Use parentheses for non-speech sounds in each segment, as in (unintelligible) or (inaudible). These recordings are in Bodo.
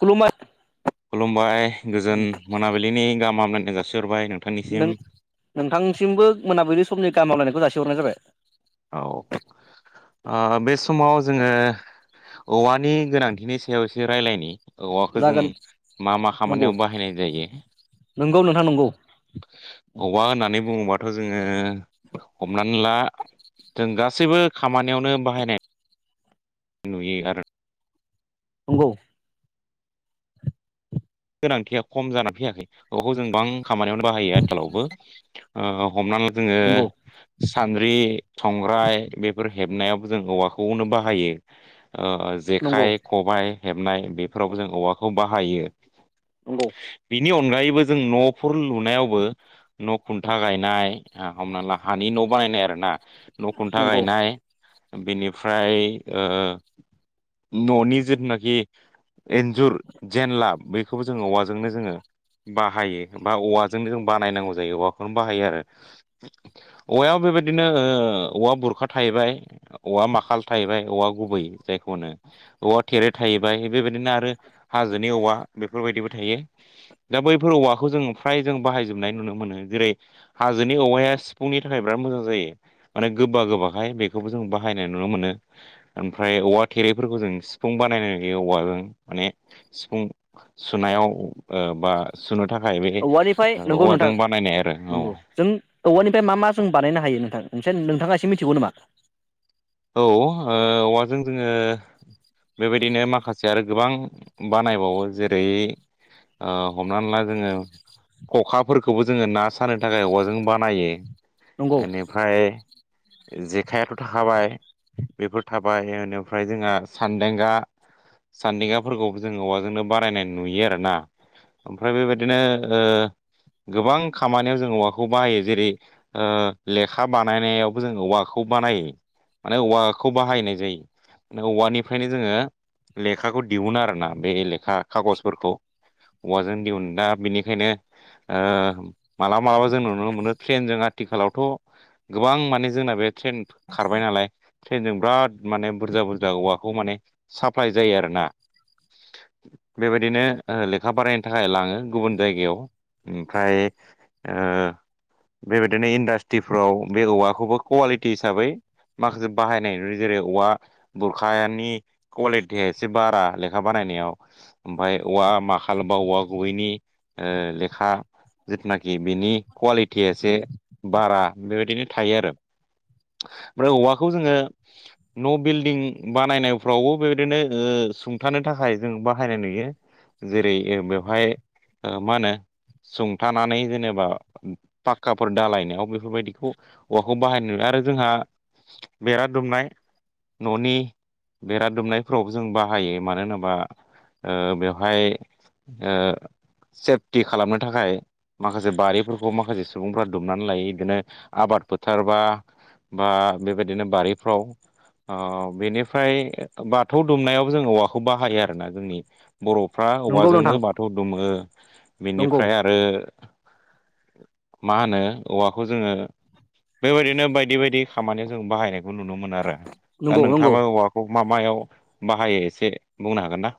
खलुमबाय खुलुमबाय गोजोन मोनाबिलिनि गाहामा हामलनायनानै जासिहरबाय नों नों-नोंथांसिमबो मोनाबिलि समनि गामाम मावलायनायखौ जासिहरनाय जाबाय औ आ बे समाव जोङो औवानि गोनांथिनि सायाव एसो रायज्लायनि औवाखौ जों जागोन मा मा खामानियाव बाहायनाय जायो नोंगौ नोंथां नंगौ औवा होननानै बुङोबाथ' जोङो हमनानै ला जों गासैबो खामानियावनो बाहायनाय नुयो आरो नंगौ गोनांथिया खम जानानै फैयाखै बबखौ जों गोबां खामानियावनो बाहायो आथिखालावबो ओ हमनाला जोङो नंगौ नंगौ सान्द्रि संग्राय बेफोर हेबनायावबो जों औवाखौनो बाहायो ओ नंगौ जेखाइ खबाय हेबनाय बेफोराव जों औवाखौ बाहायो नंगौ बिनि अनगायैबो जों न'फोर लुनायावबो न' खुन्था गायनाय हमना ला हानि न' बानायनाय आरो ना न' खुन्था नंगौ गायनाय बेनिफ्राय न'नि जेथुनाखि एन्जुर जेनला बैखौबो जोङो औवाजोंनो जोङो बाहायो बा औवाजोंनो जों बानायनांगौ जायो औवाखौनो बाहायो आरो औवायाव बेबायदिनो औवा बुरखा थाहैबाय औवा माखाल थाहैबाय औवा गुबै जायखौनो औवा थेरे थाहैबाय बेबायदिनो आरो हाजोनि औवा बेफोरबायदिबो थायो दा बैफोर औवाखौ जों फ्राय जों बाहायजोबनाय नुनो मोनो जेरै हाजोनि औवाया सिफुंनि थाखाय बिराद मोजां जायो माने गोबा गोबाहाय बेखौबो जों बाहायनाय नुनो मोनो ओमफ्राय औवा थेरैफोरखौ जों सिफुं बानायनो नायो औवाजों माने सिफुं सुनायाव ओ बा सुनो थाखाय बे औवानिफ्राय नंगौ नोंथां औवाजों बानायनाय आरो औ नंगौ जों औवानिफ्राय मा मा जों बानायनो हायो नोंथां नों नोंथाङा एसे मिथिगौ नामा औ औवाजों जोङो बेबायदिनो माखासे आरो गोबां बानायबावो जेरै हमनानै ला जोङो खखाफोरखौबो जोङो ना सानो थाखाय औवाजों बानायो नंगौ बेनिफ्राय जेखायाथ' थाखाबाय बेफोर थाबाय बेनिफ्राय जोंहा सानदेंगा सान्दखााफोरखौबो जों औवाजोंनो बारायनाय नुयो आरोना ओमफ्राय बेबायदिनो गोबां खामानियाव जों औवाखौ बाहायो जेरै ओ लेखा बानायनायावबो जोङो औवाखौ बानायो माने औवाखौ बाहायनाय जायो औवानिफ्रायनो जोङो लेखाखौ दिहुन आरोना बे लेखा खागजफोरखौ औवाजों दिहुन दा बेनिखायनो ओ मालाबा मालाबा जों नुनो मोनो ट्रेनजों आथिखालावथ' गोबां माने जोंना बे ट्रेन खारबाय नालाय ट्रेनजों बिराद माने बुरजा बुरजा हौवाखौ माने साप्लााय जायो आरोना बेबायदिनो लेखा बारायनो थाखाय लाङो गुबुन जायगायाव ओमफ्राय ओ बेबायदिनो इन्डास्ट्रिफ्राव बे औवाखौबो कुवालिटि हिसाबै माखासे बाहायनायु जेरै औवा बुरखानि कुवालिटिया एसे बारा लेखा बानायनायाव ओमफ्राय औवा मा खालामबा औवा गुबैनि लेखा जिथुनाखि बिनि कुवालिटिया एसे बारा बेबायदिनो थायो आरो ओमफ्राय औवाखौ जोङो न' बिल्डिं बानायनायफ्रावबो बेबायदिनो सुंथानो थाखाय जों बाहायनाय नुयो जेरै बेवहाय मा होनो सुंथानानै जेनेबा पाखक्काफोर दालायनायाव बेफोरबायदिखौ औवाखौ बाहायनाय नुबाय आरो जोंहा बेरा दुमनाय न'नि बेरा दुमनायफोरावबो जों बाहायो मानो होनोबा बेवहाय सेफटि खालामनो थाखाय माखासे बारिफोरखौ माखासे सुबुंफ्रा दुमनानै लायो बिदिनो आबाद फोथारबा बा बेबायदिनो बारिफ्राव अ बेनिफ्राय बाथौ दुमनायाव जों औवाखौ बाहायो आरो ना जोंनि बर'फ्रा नंगौ अबेबाजोंनो नोंथां बाथौ दुुमो नंगौ बेनिफ्राय आरो मा होनो औवाखौ जोङो बेबायदिनो बायदि बायदि खामानियाव जों बाहायनायखौ नुनो मोन आरो दा नंगौ नंगौ नोंथाङाबा औवा बे म मायाव बाहायो एसे बुंनो हागोन ना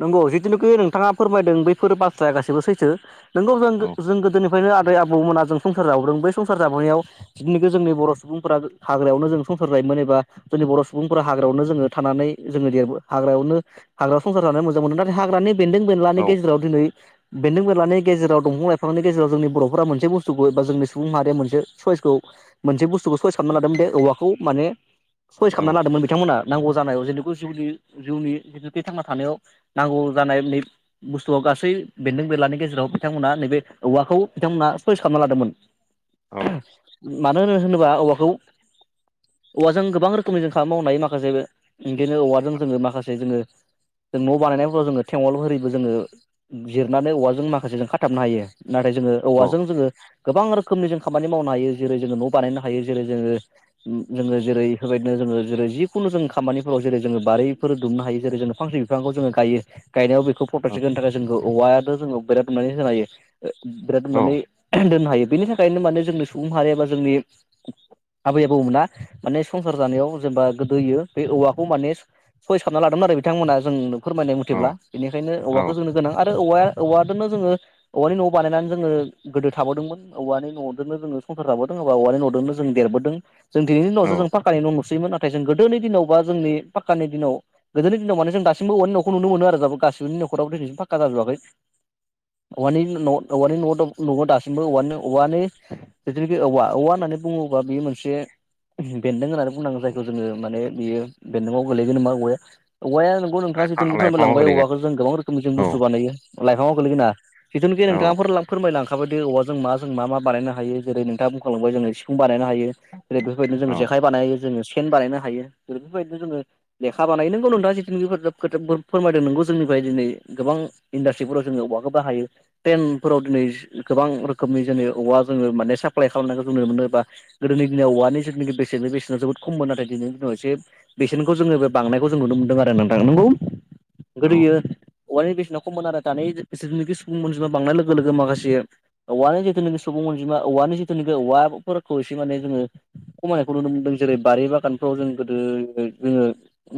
नंगौ जिथुुनुखि नोंथाङा फोरमायदों बैफोर बाथ्राया गाससिबो सैथो नोंगौ जों औ जों गोदोनि ओमफ्रायनो आदै आबौमोना जों संसार जाबोदों बै संसार जाबोनायाव जिनिखि जोंनि बर' सुबुंफोरा हाग्रायावनो जों संसार गायोमोन एबा जोंनि बर' सुबुंफोरा हाग्रायावनो जोङो थानानै जोङो देरबो हाग्रायावनो हाग्रा संसार जानो मोजां मोनो नाथाय हाग्रानि बेन्दों बेनलानि औ गेजेराव दिनै बेन्दों बेलानि गेजेराव दंफां लाइफांनि गेजेराव जोंनि बर'फोरा मोनसे बुस्थुखौ एबा जोंनि सुबुं मारिया मोनसे सयसखौ मोनसे बुस्थुखौ सहाय खालामना लादोंमोन बे औवाखौ माने सयस औ खालामना लादोंमोन बिथांमोना नांगौ जानाय जेनेके जिउनि जिउनि (inaudible) थांना थानायाव नांगौ जानाय नै बुस्थुआव गासै बेन्दों बेलानि गेजेराव बिथांमोनहा नैबे औवाखौ बिथांमोना सयस खालामना लादोंमोन (inaudible) मानो होनो होनोबा औवाखौ। औवाजों गोबां रोखोमनि जों मावनाय माखासे बिदिनो औवाजों जोङो माखासे जोङो जों न' बानायनायफोराव जोङो थेेंअल होरिखौ जोङो जिरनानै औवाजों माखासे जों खाथाबनो हायो। नाथाय जोङो औवाजों जोङो गोबां रोखोमनि जों खामानि मावनो हायो जेरै जोङो न' बानायनो हायो जेरै जोङो जोङो जेरै बेफोरबायदिनो जोङो जेरै जिखुनु जों खामानिफोराव जेरै जोङो बारिफोर दुमनो हायो जेरै जोङो फांसे बिफांखौ जोङो गायो गायनायाव बेखौ औ प्रटेकसन होनो थाखाय जोंखौ औवादो जोङो बेरा दुमनानै होनायो बिराद औ माने दोननो हायो बेनि थाखायनो माने जोंनि सुबुं हारि एबा जोंनि आबै आबौ मोना माने संसार जानायाव जेनेबा गोदोयो बे औवाखौ माने सयस खालामना लादोंमोन आरो बिथांमोना जों फोरमायनाय औ मतेब्ला बेनिखायनो औ औवाखौ जोंनो गोनां आरो औवाया औवादोनो जोङो औवानि न' बानायनानै जोङो गोदो थाबोदोंमोन औवानि न'दोनो जोङो संसार जाबोदों औवानि न'दोनो जों देरबोदों जों दिनैनि न'वावसो औ जों पाकानि नुसैमोन नाथाय जों गोदोनि दिनाव बा जोंनि पाक्कानि दिनाव गोदोनि दिनाव माने जों दामसिमबो औवानि न'खौनो नुनो मोनो आरो गासिबो नखारावबो दिनैसि पाक्का जाजोबाखै औवानि न' औवानि न' न'आव दासिमबोवानि औवानि औवानि बेजों बे औवा औवा होननानै बुङोबा बेयो मोनसे बेन्दों होननानै बुंनांगो जायखौ जोङो माने बेयो बेन्दोंआव गोलैगोन नामा औवाया औवाया नोंगौ नोंथाङा लाइफां जितुनोखि फोरानबाय लाइफाङाव लांबाय औवा गोलैगोन जों गोबां रोखोमनि जों औ बुस्थु बानायायो लाफाङाव गोलैगोन दा जितुनोखि औ नोंथाङा फोर फोरमायलां खाबायदि औवाजों मा जों मा मा बानायनो हायो जेरै नोंथाङा बुंखालांबाय जोंङो सिफुं बानायनो हायो। जेर बेफोरबायदिनो जों औ जेखाइ बानायो जोङो सेन बानायनो हायो जेरै बेफोरबायदिनो जोङो लेखा बानायो नोंगौ नोंथाङा (unintelligible) फोरमायदों नोंगौ जोंनिफ्राय दिनै गोबां इन्डास्ट्रिफोराव जोङो औवाखौ बाहायो ट्रेनफोराव दिनै गोबां रोखोमनि जेनै औवा जोङो माने साप्लाय खालामनायखौ जों नुनो मोनो बा गोदोनि दिनाव औवानि जितुनोखि बेसेननि बेसेना जोबोद खममोन नाथाय दिनैनि दिनाव एसे बेसेनखौ जोङो बे बांनायखौ जों नुनो मोनदों आरो नोंथां नंगौ औ गोदोयो औवानि बेसेना खममोन आरो दानि बिनोखि सुबुं अनजिमा बांनाय लोगो लोगो माखासे औवानि जितुनोखि सुबुं अनजिमा औवानि जितुनोखि औवाफोरखौ एसे माने जोङो खमायनायखौ नुनो मोनदों जेरै बारि बागानफ्राव जों गोदो जोङो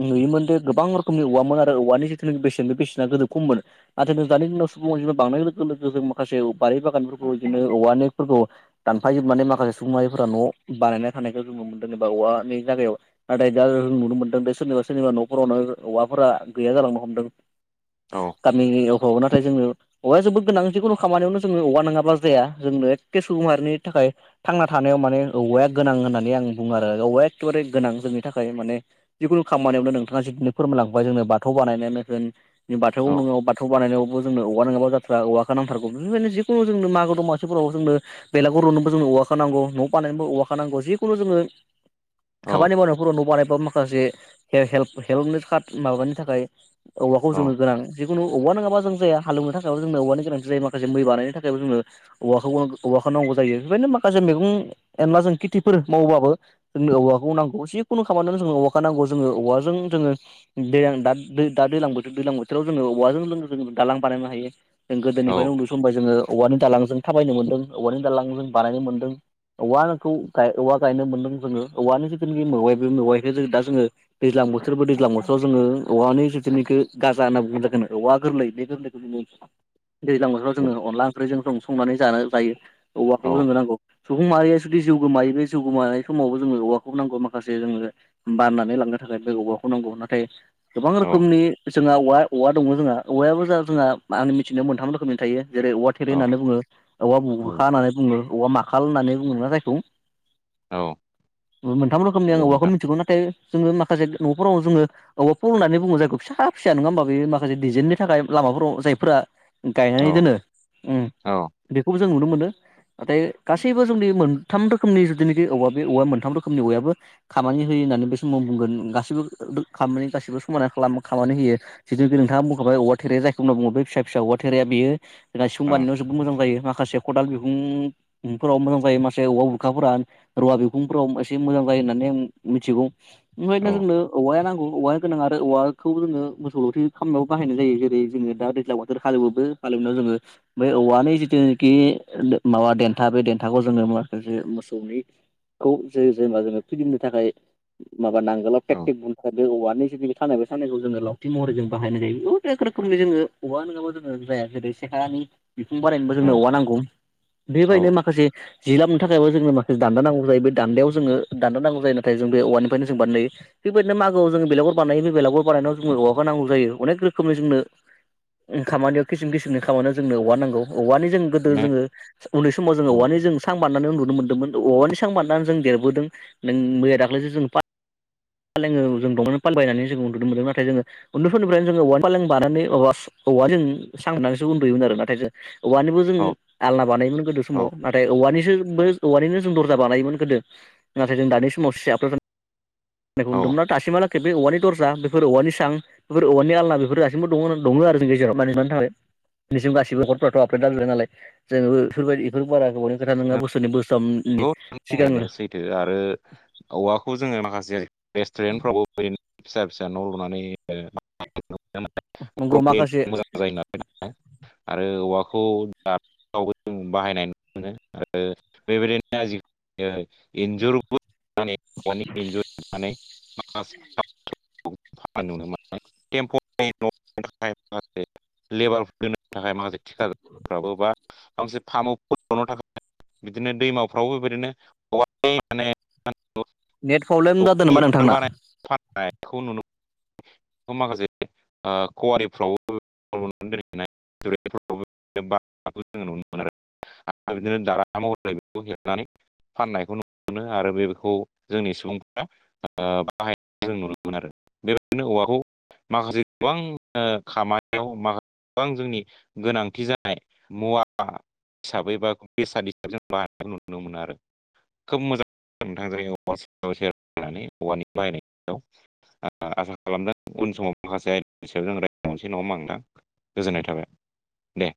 नुयोमोनदो गोबां रोखोमनि औवामोन आरो औवानि जितुनोखि बेसेन बे बेसेना गोदो कममोन नाथाय जों दानि दिनाव सुबुं अनजिमा बांनाय लोगो लोगो जों माखासे बारि बागानफोरखौ बिदिनो औवानिफोरखौ दानफायजोबनानै माखासे सुबुं माहारिफोरा न' बानायना थानायखौ जों नु मोनदों जेनबा औवानि जायगायाव नाथाय दा जों नुनो मोनदों बे सोरनिबा सोरनिबा न'फोरावनो औवाफोरा गैया जालांनो हमदों औ गामि एरियाफोरावबो नाथाय जोङो औवाया जोबोद गोनां जिकुनु खामानियावनो जोङो औवा नङाब्ला जाया जोंनो एखे सुबुं माहारिनि थाखाय थांना थानायाव माने औवाया गोनां होननानै आं बुङो आरो औवाया एखेबारे गोनां जोंनि थाखाय माने जिकुनु खामानियावनो नोंथाङा जिखिनि फोरमायलांबाय जोंनो बाथौ बानायनायानो होन बाथौ नङा बाथौ बानायनायावबो जोंनो औवा नङाबा जाथारा औवाखौ नांथारगौ बेफोरबायदि जिकुनु जोंनो मागो दमा सिफोरावबो जोंनो बेलागुर लुनोबो जोंनो औवाखौ नांगौ न' बानायनोबो औवाखौ नांगौ जिखुनु जोङो औ खामानि मावनायफोराव न' बानायबाबो माखासे हे हे हेल्प हेल्पनि माबानि थाखाय औवाखौ जोंनो गोनां जिकुनु औवा नङाबा जों जाया हाल एवनो थाखायबो जोंनो औवानि गोनांथि जायो माखासे मै बानायनो थाखायबो जोङो औवाखौ औवाखौ नांगौ जायो बेखायनो माखासे मैगं एनलाजों खेथिफोर मावबाबो - जोंनो औवाखौ नांगौ जिखुनु खामानियाव जोंनो औवाखौ नांगौ जोङो औवाजों जोङो दैलां दा दैलां बोथोर दैलां बोथोराव जोङो औवाजों लोगो जो दालां बानायनो हायो जों औ गोदोनिफ्रायनो उन्दै समनिफाय जोङो औवानि दालांजों थाबायनो मोन्दों औवानि दालां जों बानायनो मोनदों औवा नोंखौ औवा गायनो मोनदों जोङो औवानि जिथुनाखि मेवाय बे मवायख जों दा जोङो दैज्लां बो बिसोरबो दैज्लां बोथोराव जोङो औवानि जिथुनिखौ गाजा होनना बुङो औवा गोरलै बे गोरलैखौनो जोङो दैज्लां बोथोराव जोङो अनदला ओंख्रिजों संनानै जा जानो जायो औवाखौबो जोंनो नांगौ सुबुं माहारिया जुदि जिउ गोमायो बे जिउ गोमानाय समावबो जोङो औवाखौबो नांगौ माखासे जोङो जे बाननानै लांनो थाखाय बे औवाखौ नांगौ नाथाय गोबां औ रोखोमनि जोंहा औवा औवा दङ जोंहा औवायाबो जा जोंहा आं मिथिनायाव मोनथाम रोखोमनि थायो जेरै औवा थेरे होननानै बुङो औवा औ बुखा होननानै बुङो औवा माखाल होननानै बुङो ना जायखौ औ मोनथाम रोखोमनि आं औवाखौ मिथिगौ नाथाय जोङो माखासे न'फोराव जोङो औवा फल होन बुङो जायखौ फिसा फिसा नङा होमबा बे माखासे डिजाइननि थाखाय लामाफोराव जायफोरा गायनानै दोनो बेखौबो उम जों नुनो मोनो नाथाय गासैबो जोंनि मोन थाम रोखनि जुथुनाखि औबवा बे औवा मोनथाम रोखोमनि औवाया बो खामानि होयो होननानै बे सम बुंगोन गास (unintelligible) खालामनानै गासिबो समायना खानानै होयो जिथुखि नोंथा बुंखाब औव थेरे जायखौ होनना बुंङोब बे फिसा फिसा औव थेरया बेयो जोंहा सिफुं बानायनायाव जोब मोजां जायो माखासे खदाल बिहुं फोराव मोजां जायो माखासे औवा बुरखाफोरा रुवा बिखुंफोराव एसे मोजां जायो होननानै आं मिथिगौ ओमफाय दा जोंनो औवाया नांगौ औवाया गोनां आरो औवाखौ जोङो मोसौ लावथि खालामनायाव बाहायनाय जायो जेरै जोङो दा दैज्लां फोर हालौवोबो हालेवनायाव जोङो बै औवानि जिथुनाखि माबा देन्था बे देन्थाखौ जोङो माखासे मोसौनि खौ जे जेनेबा जोङो फिदिंनो थाखाय माबा नांगोलाव फे बे बुरखा बे (unintelligible) जोङो लावथि महरै जों बाहायनाय जायो अनेक रोखोमनि जोङो औवा नड़ाबा जोंडो (unintelligible) बिफां बानायनोबो जोंनो औवा नांगौ बेबायदिनो माखासे जि लामननो थाखायबो जोंनो माखासे दान्दा नांगौ जायो बे दान्दायाव जोङो दान्दा नांगौ जायो नाथाय जों बे औवानिफ्रायनो जों बानायो बेबायदिनो मागोआव जोङो बेलागर बानायो बेलागर बानायनायाव जोंनो औवा नांगौ जायो अनेक रोखोमनि जोंनो खामानियाव किसुम किसुमनि खामानियाव जोंनो औवा नांगौ औवानि जों गोदो जोङो उन्दै समाव जोङो औवानि जों सां बारनानै उन्दुनो मोन्दोंमोन औवानि सां बारनानै जों देरबोदों नों मैया दाख्लैसो जों फा (unintelligible) जों उन्दुनो मोनदों ना जोङो उन्दैफोरनिफ्रायनो जोङो औवानि फालें बानानै औवाजों सांगनानैसो उन्दुयोमोन आरो नाथाय जों औवानिबो जों आलना बानायोमोन गोदो समाव नाथाय औवानिसोबो औवानिनो जों दरजा बानायोमोन गोदो नाथाय जों दानि समाव सियार फोर नाइखौ नुदोंमोनना दासिमहालाखै बे औवानि दरजा बेफोर औवानि सां बेफोर औवानि आलना बेफोर गासिबो दङ दङ आरो जों गेजेराव माने (unintelligible) थाखाय दिनसिम गसिबो बरफ्राथ आपदेट जाजोबबाय नालाय जोंबो बेफोरबायदि बेफोर बारा गोबावनि खोथा नङा बोसोरनि बोसोराम नंगौ बुंनायानो सैथो आरो औवाखौ जोङो माखासे रेस्टुरेन्टफ्रावबो ओरैनो फिसा फिसा न' लुनानै नंगौ माखासे (unintelligible) (unintelligible) आरो औवाखौ (unintelligible) जों बाहायनाय नुनो मोनो आरो बेबायदिनो (unintelligible) ओ इन्जुर (unintelligible) (unintelligible) माखासे लेबार दोन थाखाय माखासे थिखफ्राबो बा गांसे फार्माव फनो थाखाय बिदिनो दैमाफ्रावबो बेबायदिनो माने नेट प्रब्लेम जादोंनामा औवाफोर नोंथांना? बानाय फाननायखौ नुनो माखासे ओ कवारिफ्रावबो दोननाय जुरै फोरखोबो बाखो जोङो नुनो मोनो आरो आ बिदनो दारा महरै खौ‌ हेबनानै फाननायखौ नुनो आरो बेखौ जोंनि सुबुंफोरा ओ बाहायनाय जों नुनो मोनो आरो बेबायदिनो औवाखौ माखासे गोबां ओ खामानियाव मासे गोबां जोंनि गोनांथि जानाय मुवा हिसाबै बा बेसाद हिसाबै जों बानायखो नुनो मोनो आरो खोब मोजां नोंथां जै सेनानै औवानि बाहायनायाव आसा खालामदों उन समाव माखासे आयदनि सायाव जों रायबावसै नङा होमबा ओनथां गोजोननाय थाबाय दे